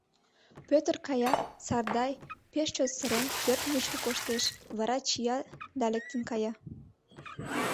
Пӧтыр кая, Сардай, пеш чот сырен, пӧрт мучко коштеш, вара чия да лектын кая.